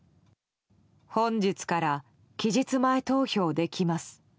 本日から期日前投票できます。